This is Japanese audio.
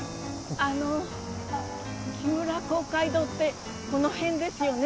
あの木村公会堂ってこの辺ですよね？